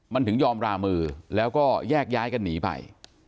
มันถึงยอมรามือแล้วก็แยกย้ายกันหนีไป